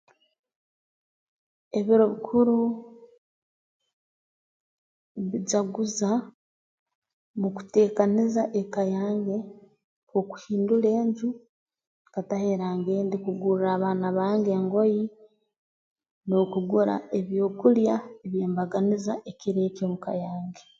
Ebiro bikuru mbijaguza mu kuteekaniza eka yange okuhindura enju nkataho erangi endi kugurra abaana bange engoyi n'okugura ebyokulya eby'embaganiza ekiro eki omuka yange